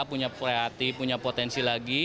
punya kreatif punya potensi lagi